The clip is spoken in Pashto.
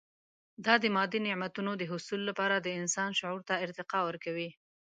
دا د مادي نعمتونو د حصول لپاره د انسان شعور ته ارتقا ورکوي.